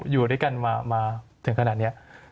อยู่ด้วยกันมาถึงขนาดนี้